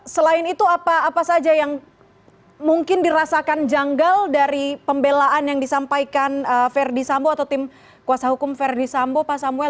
selain itu apa saja yang mungkin dirasakan janggal dari pembelaan yang disampaikan verdi sambo atau tim kuasa hukum verdi sambo pak samuel